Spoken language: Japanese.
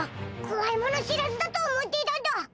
こわいもの知らずだと思ってただ。